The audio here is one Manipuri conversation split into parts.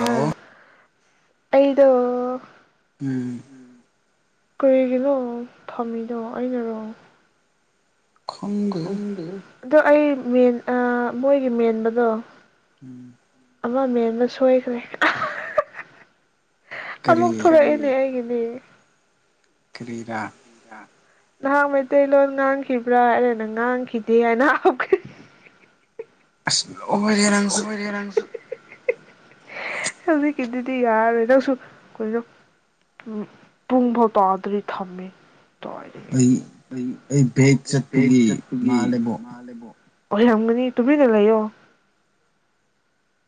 ꯑꯎ [inaudible] ꯑꯩ ꯗꯣ ꯎꯝ ꯀꯔꯤꯒꯤꯅꯣ ꯊꯝꯃꯤꯗꯣ ꯑꯩꯅꯔꯣ ꯈꯪꯗꯦ ꯍꯦ ꯑꯗꯣ ꯑꯩꯟ ꯃꯦꯟ ꯑꯥ ꯃꯣꯏꯒꯤ ꯃꯦꯟꯕꯗꯣ ꯑꯃ ꯃꯦꯟꯕ ꯁꯣꯏꯈ꯭ꯔꯦ ꯑꯍꯍꯍ ꯑꯃꯨꯛ ꯊꯣꯛꯂꯛꯑꯅꯦ ꯑꯩꯒꯤꯗꯤ ꯀꯔꯤꯔꯥ ꯅꯍꯥꯛ ꯃꯩꯇꯩꯂꯣꯟ ꯉꯥꯡꯈꯤꯕ꯭ꯔꯥ ꯑꯩꯅ ꯉꯥꯡꯈꯤꯗꯦ ꯍꯥꯏꯅ ꯍꯥꯞꯈꯔꯦ ꯑꯁ ꯂꯣꯏꯔꯦ ꯅꯪꯁꯨ ꯍꯧꯖꯤꯛꯀꯤꯗꯨꯗꯤ ꯌꯔꯥꯔꯣꯏ ꯅꯪꯁꯨ ꯀꯩꯅꯣ ꯎꯝ ꯄꯨꯡꯐꯧ ꯇꯥꯗ꯭ꯔꯤ ꯊꯝꯃꯦ ꯑꯩ ꯑꯩ ꯕꯦꯛ ꯆꯠꯄꯒꯤ ꯃꯥꯜꯂꯦꯕꯣ [inaudible] ꯑꯣꯏ ꯔꯝꯒꯅꯤ ꯇꯨꯃꯤꯟꯅ ꯂꯩꯌꯣ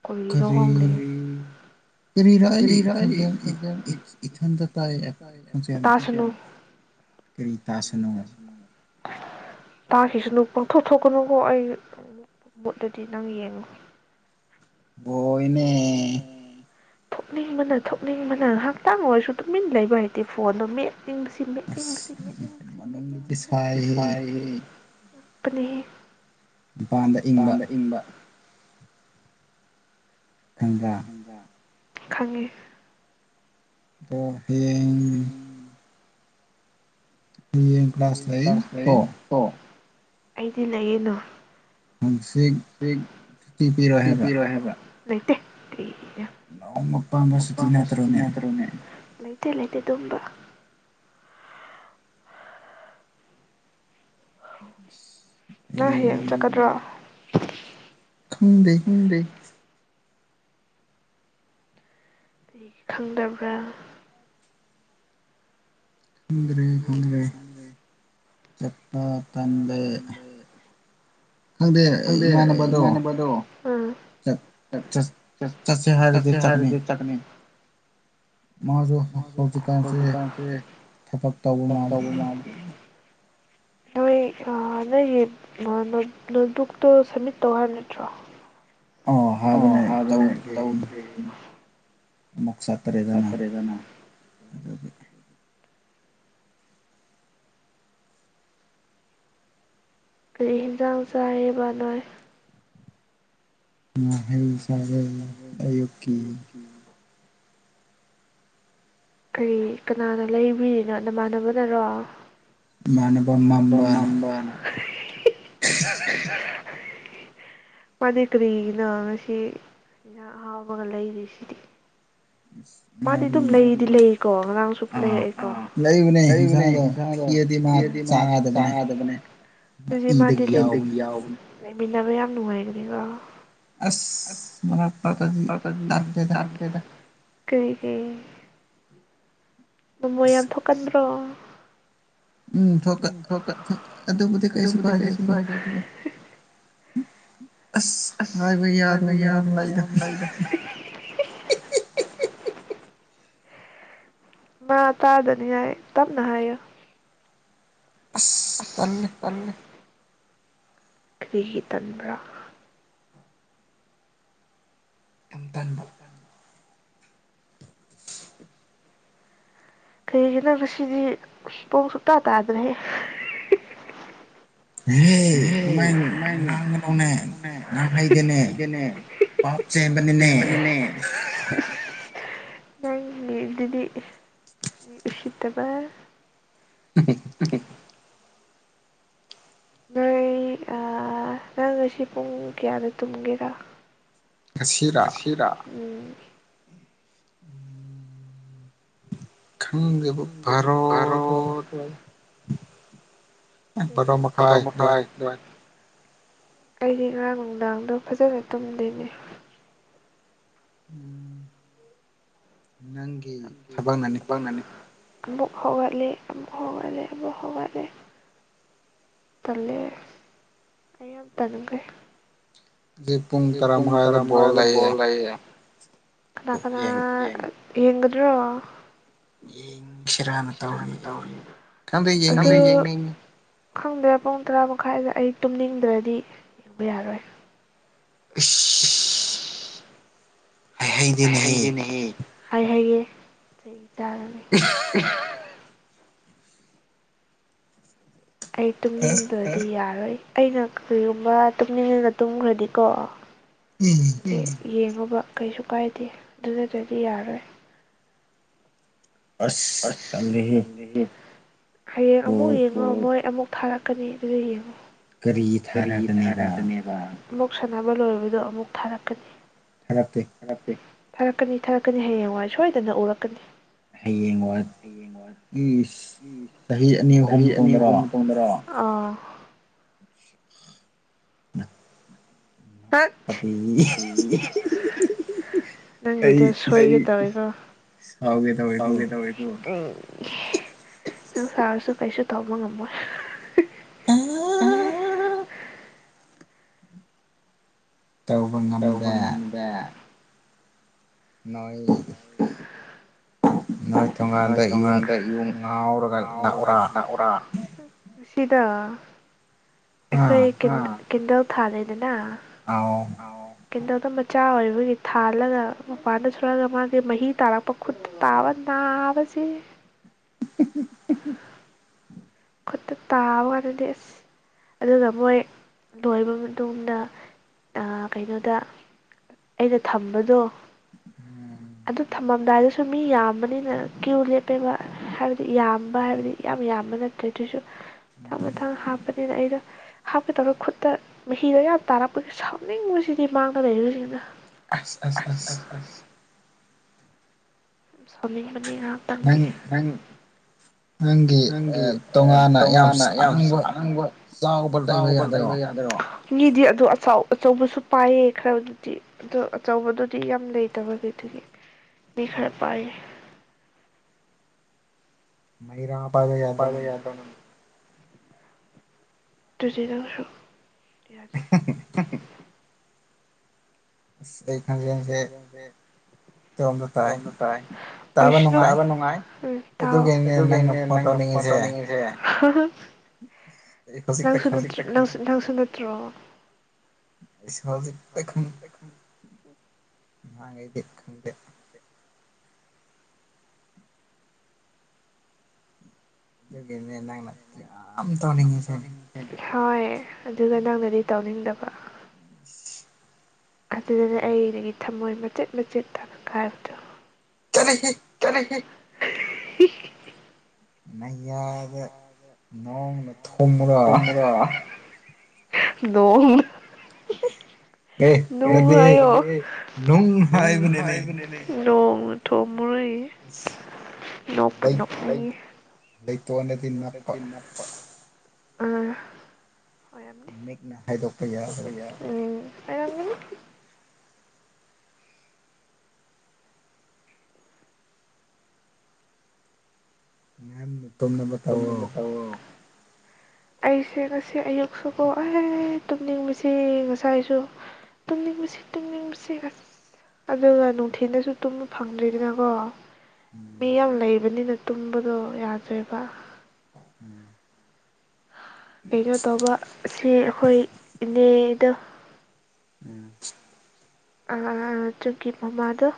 ꯀꯔꯤꯅꯣ ꯈꯪꯗꯦ [unintelligible] ꯇꯥꯈꯤꯁꯨꯅ ꯄꯥꯡꯊꯣꯛ ꯊꯣꯛꯀꯅꯨꯀꯣ ꯑꯩ ꯃꯣꯠꯂꯗꯤ ꯅꯪ ꯌꯦꯡꯉꯨ ꯍꯣꯏꯅꯦ ꯊꯣꯛꯅꯤꯡꯕꯅ ꯊꯣꯛꯅꯤꯡꯕꯅ ꯉꯥꯏꯍꯥꯛꯇꯪ ꯑꯣꯏꯁꯨ ꯇꯨꯃꯤꯟ ꯂꯩꯕ ꯍꯩꯇꯦ ꯐꯣꯟꯗꯣ ꯃꯦꯠ [unintelligible] [unintelligible] ꯃꯄꯟꯗ ꯏꯪꯕ ꯍꯗ [inaudible] ꯈꯪꯉꯤ ꯑꯣ ꯌꯦꯡ ꯍꯌꯦꯡ ꯀ꯭ꯂꯥꯁ ꯂꯩ ꯀꯣ ꯑꯩꯗꯤ ꯂꯩꯌꯦꯅꯨ ꯑꯝ ꯁꯤ ꯁꯨꯇꯤ ꯄꯤꯔꯣꯏ ꯍꯥꯏꯕ ꯂꯩꯇꯦ ꯀ꯭ꯔꯤ ꯅꯣꯡꯃꯨꯛ ꯄꯥꯝꯕ ꯁꯨꯨꯇꯤ ꯅꯠꯇ꯭ꯔꯣꯅꯦ ꯂꯩꯇꯦ ꯂꯩꯇꯦ ꯗꯨꯝꯕ ꯑꯁ ꯅꯪ ꯍꯌꯦꯡ ꯆꯠꯀꯗ꯭ꯔꯣ ꯈꯪꯗꯦ ꯀ꯭ꯔꯤ ꯈꯪꯗꯕ꯭ꯔꯥ ꯈꯪꯗꯦ ꯏꯃꯥꯟꯅꯕꯗꯣ ꯎꯝ ꯆ ꯆꯠ ꯆꯠꯁꯦ ꯍꯥꯏꯔꯗꯤ ꯆꯠꯀꯅꯤ ꯃꯥꯁꯨ ꯍ ꯍꯧꯖꯤꯛꯀꯥꯟꯁꯦ ꯊꯕꯛ ꯇꯧꯕ ꯃꯥꯜꯂꯤ ꯅꯣꯏ ꯑ ꯅꯣꯏꯒꯤ ꯑ ꯅꯣ ꯅꯣꯠꯕꯨꯛꯇꯣ ꯁꯕꯃꯤꯠ ꯇꯧ ꯍꯥꯏꯕ ꯅꯠꯇ꯭ꯔꯣ ꯑ ꯍꯥꯏꯕꯅꯦ ꯇꯧꯗ꯭ꯔꯤ ꯑꯃꯨꯛ ꯆꯠꯇꯔꯦꯗꯅ ꯑꯗꯨꯒꯤ ꯀꯔꯤ ꯍꯦꯟꯁꯥꯡ ꯆꯥꯢꯌꯦꯕ ꯅꯣꯢ ꯉꯥꯍꯩ ꯆꯥꯔꯦ ꯑꯌꯨꯛꯀꯤ ꯀꯔꯤ ꯀꯅꯥꯅ ꯂꯩꯕꯤꯔꯤꯅꯣ ꯅꯃꯥꯟꯅꯕꯅꯔꯣ ꯢꯃꯥꯟꯅꯕ ꯃꯝꯕꯥꯅ ꯃꯥꯗꯤ ꯀꯔꯤꯒꯤꯅꯣ ꯉꯁꯤ ꯢꯟꯁꯥꯡ ꯑꯍꯥꯎꯕꯒ ꯂꯩꯔꯤꯁꯤꯗꯤ ꯃꯥꯗꯤ ꯑꯗꯨꯝ ꯂꯩꯗꯤ ꯂꯩꯌꯦꯀꯣ ꯉꯔꯥꯡꯁꯨ ꯂꯩꯔꯛꯑꯦꯀꯣ ꯑꯥ ꯑꯥ ꯂꯩꯕꯅꯦ ꯢꯟꯁꯥꯡꯗꯣ ꯊꯤꯔꯗꯤ ꯃꯥ ꯆꯥꯗꯕꯅꯦ ꯗꯨꯗꯤ ꯃꯥꯗꯤ ꯂꯩ ꯢꯗꯒꯤ ꯌꯥꯎꯕꯅꯦ ꯂꯩꯃꯤꯟꯅꯕ ꯌꯥꯝ ꯅꯨꯡꯉꯥꯏꯒꯅꯤꯀꯣ ꯑꯁ ꯃꯔꯛꯇꯗꯗꯤ ꯇꯠꯂꯦꯗ ꯀꯔꯤꯒꯤ ꯃꯃꯣꯏ ꯌꯥꯝ ꯊꯣꯛꯀꯟꯕ ꯗꯣ ꯎꯝ ꯍꯣꯏ ꯍꯣꯏ ꯎꯝ ꯑꯗꯨꯕꯨꯗꯤ ꯀꯩꯁꯨ ꯀꯥꯏꯗꯦꯅꯦ ꯑꯁ ꯍꯥꯏꯕ ꯌꯥꯗꯕ ꯃꯌꯥꯝ ꯂꯩꯗ ꯍꯤ ꯍꯤ ꯍꯤ ꯃꯥ ꯇꯥꯗꯅꯤꯡꯉꯥꯢ ꯇꯞꯅ ꯍꯥꯏꯌꯣ ꯑꯁ ꯇꯜꯂꯦ ꯀ꯭ꯔꯤꯒꯤ ꯇꯟꯕ꯭ꯔꯥ ꯌꯝ ꯇꯟꯕ ꯀꯩꯒꯤꯅꯪ ꯉꯁꯤꯗꯤ ꯄꯨꯡ ꯁꯨꯡꯇꯥ ꯇꯥꯗ꯭ꯔꯦꯍꯦ ꯑꯦꯍꯦ ꯑꯗꯨꯃꯥꯏꯅ ꯉꯥꯡꯒꯅꯨꯅꯦ ꯉꯥꯡꯍꯩꯗꯦꯅꯦ ꯄꯥꯞ ꯆꯦꯟꯕꯅꯤꯅꯦ ꯅꯪ ꯒꯤꯗꯨꯗꯤ ꯃꯤ ꯎꯁꯤꯇꯕ [unintelligible] ꯅꯣꯏ ꯅꯪ ꯉꯁꯤ ꯄꯨꯡ ꯀꯌꯥꯗ ꯇꯨꯝꯒꯦꯔꯥ ꯉꯁꯤꯔꯥ ꯎꯝ ꯈꯪꯗꯦꯕꯣ ꯕꯥꯔꯣ ꯑꯗꯨꯋꯥꯢꯗ ꯕꯥꯔꯣ ꯃꯈꯥꯏ ꯑꯗꯨꯥꯋꯥꯏ ꯑꯩꯗꯤ ꯉꯔꯥꯡ ꯅꯨꯡꯗꯥꯡꯗꯣ ꯐꯖꯅ ꯇꯨꯝꯗꯦꯅꯦ ꯎꯝ ꯅꯪꯒꯤ ꯊꯕꯛꯅꯅꯤ ꯑꯃꯨꯛ ꯍꯧꯒꯠꯂꯦ ꯑꯃꯨꯛ ꯍꯧꯒꯠꯂꯦ ꯑꯃꯨꯛ ꯍꯧꯒꯠꯂꯦ ꯇꯜꯂꯦ ꯑꯩ ꯌꯥꯝ ꯇꯟꯈ꯭ꯔꯦ ꯄꯨꯡ ꯇꯔꯥ ꯃꯉꯥꯗ ꯕꯣꯜ ꯂꯩꯌꯦ ꯀꯅꯥ ꯀꯅꯥ ꯌꯦꯡꯒꯗ꯭ꯔꯣ ꯌꯦꯡ ꯁꯤꯔꯥꯅ ꯇꯧꯔꯤ ꯑꯗꯨ ꯈꯪꯗꯦ ꯌꯦꯡꯅꯤꯡꯉꯤ ꯈꯪꯗ꯭ꯔꯦ ꯄꯨꯡ ꯇꯔꯥ ꯃꯈꯥꯏꯗ ꯑꯩ ꯇꯨꯝꯅꯤꯡꯗ꯭ꯔꯗꯤ ꯌꯦꯡꯕ ꯌꯥꯔꯣꯏ ꯏꯁ ꯏꯁ ꯍꯥꯢꯍꯩꯗꯦꯅꯍꯦ ꯍꯥꯢꯍꯩꯌꯦ ꯆꯩ [unintelligible] ꯑꯩ ꯇꯨꯝꯅꯤꯡꯗ꯭ꯔꯗꯤ ꯌꯥꯔꯣꯏ ꯑꯩꯅ ꯀꯔꯤꯒꯨꯝꯕ ꯇꯨꯝꯅꯤꯡ ꯑꯒ ꯇꯨꯝꯈ꯭ꯔꯗꯤꯀꯣ ꯌꯦꯡꯉꯣꯕ ꯀꯩꯁꯨ ꯀꯥꯏꯗꯦ ꯑꯗꯨ ꯅꯇ꯭ꯔꯗꯤ ꯌꯥꯔꯣꯏ ꯑꯁ ꯇꯜꯂꯦꯍꯦ ꯍꯌꯦꯡ ꯑꯃꯨꯛ ꯌꯦꯡꯉꯣ ꯃꯣꯏ ꯑꯃꯨꯛ ꯊꯥꯔꯛꯀꯅꯤ ꯑꯗꯨꯗ ꯌꯦꯡꯉꯣ ꯀꯔꯤ ꯊꯥꯔꯀꯅꯦꯕ ꯑꯃꯨꯛ ꯁꯥꯟꯅꯕ ꯂꯣꯏꯕꯗꯣ ꯑꯃꯨꯛ ꯊꯥꯔꯛꯀꯅꯤ [unintelligible] ꯊꯥꯔꯛꯀꯅꯤ ꯊꯥꯔꯛꯀꯅꯤ ꯍꯌꯦꯡꯋꯥꯏ ꯁꯣꯏꯗꯅ ꯎꯔꯛꯀꯅꯤ ꯍꯌꯦꯡ ꯋꯥꯏ ꯏꯁ ꯆꯍꯤ ꯑꯅꯤ ꯑꯍꯨꯝ ꯇꯣꯡꯗꯔꯣ ꯑ [unintelligible] ꯇꯇ ꯅꯪꯒꯤꯗꯣ ꯁꯣꯏꯒꯦ ꯇꯧꯋꯦꯀꯣ ꯅꯪ ꯁꯥꯎꯔꯁꯨ ꯀꯩꯁꯨ ꯇꯧꯕ ꯉꯝꯃꯣꯏ [unintelligible] ꯇꯧꯕ ꯉꯝꯗꯦ ꯅꯣꯏ ꯊꯣꯡꯒꯥꯟꯗ ꯌꯨꯡ ꯉꯥꯎꯔꯒ ꯂꯥꯛ ꯑꯣꯔꯥ ꯁꯤꯗ ꯑꯩꯈꯣꯏ ꯀꯦꯇ ꯀꯦꯟꯗꯜ ꯊꯥꯂꯦꯗꯅ ꯑꯥꯎ ꯀꯦꯟꯗꯜꯗꯣ ꯃꯆꯥ ꯑꯣꯏꯕꯒꯤ ꯊꯥꯜꯂꯒ ꯃꯄꯥꯟꯗ ꯊꯝꯕ ꯃꯥꯒꯤ ꯃꯍꯤ ꯇꯥꯔꯛꯄ ꯈꯨꯠꯇ ꯇꯥꯕ ꯅꯥꯕꯁꯤ [unintelligible] ꯈꯨꯠꯇ ꯇꯥꯕ ꯀꯥꯟꯗꯗꯤ ꯑꯁ ꯑꯗꯨꯒ ꯃꯣꯏ ꯂꯣꯏꯕ ꯃꯇꯨꯡꯗ ꯀꯩꯅꯣꯗ ꯑꯩꯅ ꯊꯝꯕꯗꯣ ꯑꯗꯨ ꯊꯝꯃꯝꯗꯥꯏꯗꯁꯨ ꯃꯤ ꯌꯥꯝꯕꯅꯤꯅ ꯀ꯭ꯌꯨ ꯂꯦꯞꯄꯦꯕ ꯍꯥꯏꯕꯗꯤ ꯌꯥꯝꯕ ꯍꯥꯏꯕꯗꯤ ꯌꯥꯝ ꯌꯥꯝꯕ ꯅꯠꯇ꯭ꯔꯦ ꯀꯩꯁꯨ ꯃ ꯊꯪ ꯃꯊꯪ ꯍꯥꯞꯄꯅꯤꯅ ꯑꯩꯗꯣ ꯍꯥꯞꯀꯗꯧꯔꯒ ꯈꯨꯠꯇ ꯃꯍꯤꯗꯣ ꯌꯥꯝ ꯇꯥꯔꯛꯄꯒꯤ ꯁꯥꯎꯅꯤꯡꯕꯁꯤꯗꯤ ꯃꯥꯡꯗ ꯂꯩꯕꯁꯤꯡꯗꯣ ꯑꯁ ꯑꯁ ꯑꯁ ꯁꯃꯤ ꯉꯍꯥꯛꯇꯪꯗꯤ ꯅꯪ ꯅꯪꯒꯤ ꯇꯣꯉꯥꯟꯅ ꯌꯥꯝ ꯁꯥꯡꯕ ꯆꯥꯎꯕ ꯂꯩꯕ ꯌꯥꯗ꯭ꯔꯣ ꯃꯤꯗꯤ ꯑꯗꯨꯗꯣ ꯑꯆꯧ ꯑꯆꯧꯕꯁꯨ ꯄꯥꯏꯌꯦ ꯈꯔꯕꯨꯗꯤ ꯑꯗꯣ ꯑꯆꯧꯕꯗꯨꯗꯤ ꯌꯥꯝ ꯂꯩꯇꯕꯒꯤꯗꯨꯒꯤ ꯃꯤ ꯈꯔ [unintelligible] ꯃꯩ ꯔꯥꯞ ꯄꯥꯏꯕ ꯌꯥꯗ꯭ꯔꯣ ꯅꯪ [unintelligible] ꯌꯥꯗꯦ [unintelligible] ꯑꯩ ꯈꯣꯟꯖꯦꯜꯁꯦ ꯏꯇꯣꯝꯇ ꯇꯥꯏ ꯑꯣꯏꯁꯅꯨ ꯇꯥꯕ ꯅꯨꯡꯉꯥꯏ ꯇꯥꯋꯣ ꯑꯗꯨꯒꯤꯅꯤꯅꯦ ꯅꯪꯅ ꯐꯣꯟ ꯇꯧꯅꯤꯡꯉꯤꯁꯦ ꯍꯥꯍ ꯅꯪ ꯁꯨ ꯅꯪ ꯁꯨ ꯅ [unintelligible] ꯑꯩꯁꯨ ꯍꯨꯖꯤꯛꯇ ꯈꯪꯏ ꯉꯍꯥꯟ ꯉꯩꯗꯤ ꯈꯪꯗꯦ ꯌꯥꯝ ꯇꯧꯅꯤꯡꯒꯦ ꯍꯣꯏ ꯑꯗꯨꯒ ꯅꯪꯅꯗꯤ ꯇꯧꯅꯤꯡꯗꯕ [inaudible] ꯑꯗꯨꯢꯗꯨꯅ ꯑꯩꯒꯤ ꯊꯃꯣꯢꯕꯟ ꯃꯆꯦꯠ ꯃꯆꯦꯠ ꯇꯥꯅ ꯀꯥꯏꯕꯗꯣ ꯆꯠꯂꯣꯍꯦ ꯍꯤ ꯅꯪꯌꯥꯗꯦ ꯅꯣꯡꯅ ꯇꯨꯝꯃꯨꯔꯥ ꯅꯣꯡꯅ ꯅꯣꯡ ꯍꯥꯢꯌ ꯅꯣꯡ ꯍꯥꯏꯕꯅꯤꯅꯦ ꯅꯣꯡꯅ ꯊꯣꯝ ꯃꯔꯣꯢ ꯅꯣꯛꯄꯨ ꯅꯣꯛꯅꯤꯡꯑꯦ ꯂꯩꯇꯣꯟ ꯗꯗꯤ ꯅꯞꯄ ꯑꯥ ꯑꯣꯏꯔꯝꯅꯤ ꯍꯥꯏꯗꯣꯛꯄ ꯌꯥꯏ ꯍꯩꯔꯝꯒꯅꯤ [inaudible] ꯇꯨꯝꯅꯕ ꯇꯧꯔꯣ ꯑꯩꯁꯦ ꯉꯁꯤ ꯑꯌꯨꯛꯁꯨꯀꯣ ꯑꯦ ꯇꯨꯝꯅꯤꯡ ꯕꯁꯤ ꯉꯁꯥꯏꯁꯨ ꯇꯨꯝꯅꯤꯡꯕꯁꯤ ꯇꯨꯝꯅꯤꯡꯕꯁꯤ ꯑꯁ ꯑꯗꯨꯒ ꯅꯨꯡꯊꯤꯟꯗꯁꯨ ꯇꯨꯝꯕ ꯐꯪꯗ꯭ꯔꯦꯗꯅꯀꯣ ꯃꯤ ꯌꯥꯝ ꯂꯩꯕꯅꯤꯅ ꯇꯨꯝꯕꯗꯣ ꯌꯥꯗ꯭ꯔꯦ ꯕꯥ ꯎꯝ ꯀꯩꯅꯣ ꯇꯧꯕ ꯁꯦ ꯑꯩꯈꯣꯏ ꯏꯅꯦ ꯗꯥ ꯎꯝ ꯑ ꯇꯔꯤꯞꯀꯤ ꯃꯃꯥꯗꯣ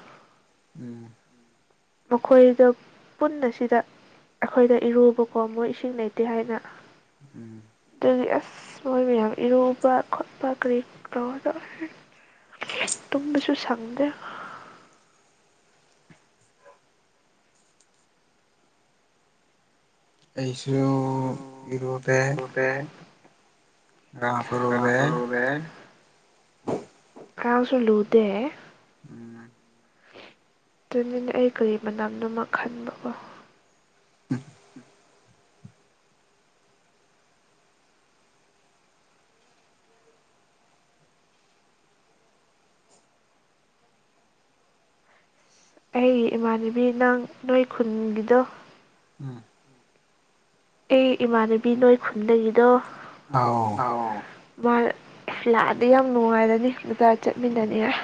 ꯎꯝ ꯃꯈꯣꯏꯗ ꯄꯨꯟꯅ ꯁꯤꯗ ꯑꯩꯈꯣꯏꯗ ꯏꯔꯨꯕꯀꯣ ꯃꯣꯏ ꯏꯁꯤꯡ ꯂꯩꯇꯦ ꯍꯥꯏꯅ ꯎꯝ ꯑꯗꯨꯗꯤ ꯑꯁ ꯃꯣꯏ ꯃꯌꯥꯝ ꯏꯔꯨꯕ ꯈꯣꯠꯄ ꯀꯔꯤ ꯇꯣꯕꯗꯣ ꯇꯨꯝꯕꯁꯨ ꯁꯪꯗꯦ ꯑꯩꯁꯨ ꯏꯔꯨ ꯏꯔꯨꯗꯦ ꯇꯥꯕ꯭ꯔꯣꯅꯦ ꯀꯥꯎꯁꯨꯂꯨꯗꯦ ꯍꯥ ꯑꯗꯨꯅꯤꯅꯦ ꯑꯩ ꯀꯔꯤ ꯃꯅꯝꯅꯣ ꯈꯟꯕꯒꯣ ꯑꯩꯒꯤ ꯏꯃꯥꯟꯅꯕꯤ ꯅꯪ ꯅꯣꯏ ꯈꯨꯟꯒꯤꯗꯣ ꯑꯩ ꯏꯃꯥꯟꯅꯕꯤ ꯅꯣꯏ ꯈꯨꯟꯗꯒꯤꯗꯣ ꯑꯥꯎ ꯃꯥ ꯂꯥꯛꯑꯗꯤ ꯌꯥꯝ ꯅꯨꯡꯉꯥꯏꯔꯅꯤ ꯏꯕꯥꯅꯤ ꯆꯠꯃꯤꯟꯅꯅꯤꯉꯥꯏ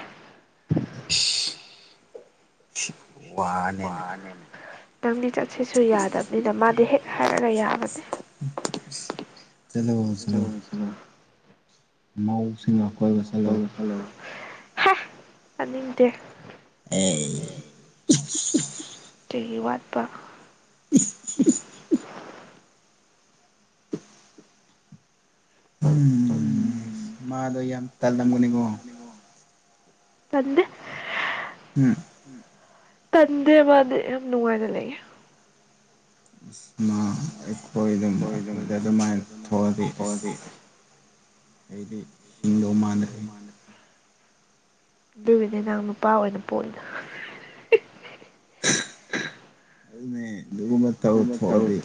ꯋꯥꯅꯤ ꯅꯪꯗꯤ ꯆꯠꯁꯤꯁꯨ ꯌꯥꯗꯕꯅꯤꯅ ꯃꯥꯗꯤ ꯍꯦꯛ ꯍꯥꯏꯔꯒ ꯌꯥꯕꯅꯦ ꯎꯝ [unintelligible] ꯍꯥꯏ ꯇꯥꯅꯤꯡꯗꯦ ꯑꯦ ꯀꯩꯒꯤ ꯋꯥꯠꯄ ꯎꯝ ꯃꯥꯗꯣ ꯌꯥꯝ ꯇꯜꯂꯝꯒꯅꯤꯀꯣ ꯇꯟꯗꯦ ꯎꯝ ꯇꯟꯗꯦꯕ ꯃꯥꯗꯤ ꯌꯥꯝ ꯅꯨꯡꯉꯥꯏꯅ ꯂꯩꯌꯦ ꯃꯥ ꯑꯩꯈꯣꯏꯗꯨꯝ ꯑꯩꯈꯣꯏꯗ ꯑꯗꯨꯃꯥꯏꯅ ꯊꯣꯛꯑꯗꯤ ꯑꯁ ꯑꯩꯗꯤ ꯍꯤꯡꯗꯧ ꯃꯥꯟꯗꯔꯦ ꯑꯗꯨꯒꯤꯅꯤ ꯅꯪ ꯅꯨꯄꯥ ꯑꯣꯏꯅ ꯄꯣꯛꯏꯗꯣ ꯑꯃ ꯇꯧꯔ ꯊꯣꯛꯑꯗꯤ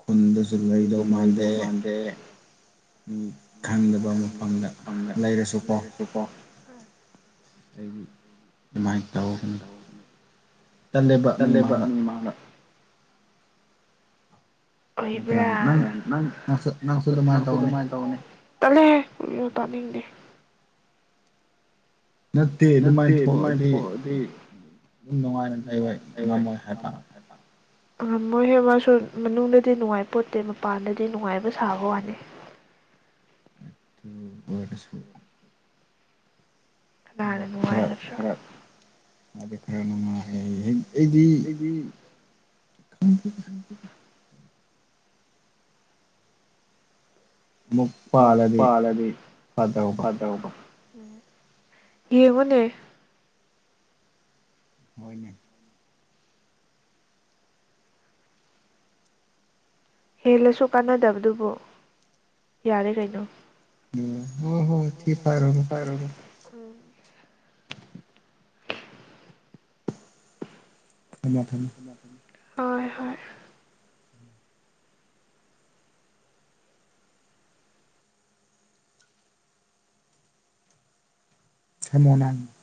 ꯈꯨꯟꯗꯁꯨ ꯂꯩꯗꯧ ꯃꯥꯟꯗꯦ ꯈꯪꯗꯕ ꯃꯐꯝꯗ ꯂꯩꯔꯁꯨꯀꯣ ꯃꯥꯏ ꯇꯧꯕꯅꯤ ꯇꯜꯂꯦꯕ ꯃꯤꯃꯥꯡꯗ ꯎꯏꯕ꯭ꯔꯥ ꯅꯪ ꯅꯪꯁꯨ ꯗꯨꯃꯥꯏ ꯇꯧꯅꯦ ꯇꯜꯂꯦ ꯌꯨ ꯇꯥꯅꯤꯡꯗꯦ ꯅꯠꯇꯦ ꯑꯗꯨꯃꯥꯏꯅ ꯊꯣꯛꯑꯗꯤ ꯑꯗꯨꯝ ꯅꯨꯡꯉꯥꯏꯅ ꯂꯩꯔꯣꯏ ꯉꯝꯃꯣꯏ ꯍꯥꯏꯕ ꯃꯣꯏꯁꯨ ꯃꯥꯁꯨ ꯃꯅꯨꯡꯗꯗꯤ ꯅꯨꯡꯉꯥꯏꯄꯣꯠꯇꯦ ꯃꯄꯥꯟꯗꯗꯤ ꯅꯨꯡꯉꯥꯏꯕ ꯁꯥꯕ ꯋꯥꯅꯤ [inaudible] ꯋꯥꯔꯁꯨ ꯉꯍꯥꯟꯅ ꯅꯨꯉꯥꯏꯒꯗ꯭ꯔꯥ [unintelligible] ꯌꯥꯝ ꯅꯨꯉꯥꯏꯌꯦ ꯑꯩ ꯑꯩꯗꯤ [inaudible] ꯃꯄꯥꯜ ꯑꯗꯤ ꯐꯇꯕ ꯌꯦꯡꯉꯨꯅꯦ ꯍꯣꯏꯅꯦ ꯍꯦꯜꯂꯁꯨ ꯀꯥꯟꯅꯗꯕꯗꯨꯕꯨ ꯌꯥꯔꯦ ꯀꯩꯅꯣ ꯍ ꯍꯣ ꯁꯤ ꯇꯥꯏꯔꯕ ꯑꯗꯨ [inaudible] ꯎꯝ ꯊꯝꯃꯣ ꯊꯝꯃꯣ ꯍꯣꯏ ꯍꯣꯏ ꯍꯦꯃꯣꯅ [inaudible]